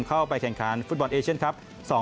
เข้าไปแข่งขันฟุตบอลเอเชียนครับ